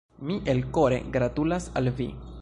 Mi elkore gratulas al vi!